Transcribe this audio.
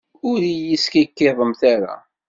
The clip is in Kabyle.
Ur iyi-skikkiḍemt ara!